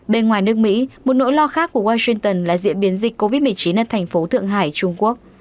bên ngoài nước mỹ một nỗi lo khác của washington là diễn biến dịch covid một mươi chín ở thành phố thượng hải trung quốc